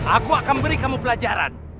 aku akan beri kamu pelajaran